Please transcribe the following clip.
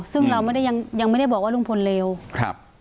ซึ่งเราไม่ได้ยังยังไม่ได้บอกว่าลุงพลเลวครับ